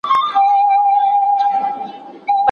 د ټولنيز اعتماد جوړول يې اوږد بهير باله.